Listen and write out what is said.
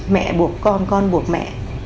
mẹ buộc con con buộc mẹ